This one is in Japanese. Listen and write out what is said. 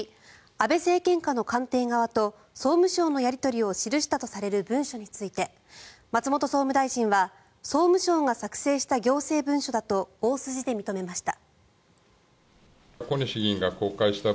安倍政権下の官邸側と総務省のやり取りを記したとされる文書について松本総務大臣は総務省が作成した行政文書だと大筋で認めました。